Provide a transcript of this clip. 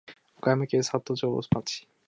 岡山県里庄町